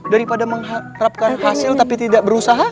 daripada mengharapkan hasil tapi tidak berusaha